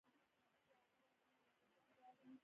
د نجونو تعلیم د ښځو واک زیاتوي.